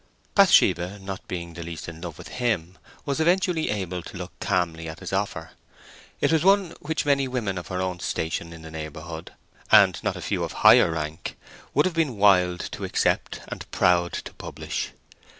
Bathsheba, not being the least in love with him, was eventually able to look calmly at his offer. It was one which many women of her own station in the neighbourhood, and not a few of higher rank, would have been wild to accept and proud to publish.